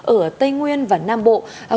ở tây nguyên và nam bộ